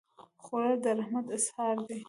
خوړل د رحمت اظهار دی